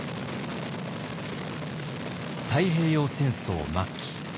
太平洋戦争末期。